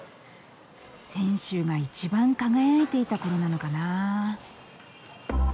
泉州が一番輝いていた頃なのかなあ。